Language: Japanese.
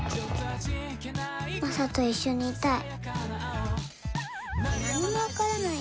マサと一緒にいたい。